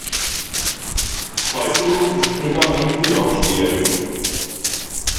Zweifellos ist Britta eine Frühaufsteherin.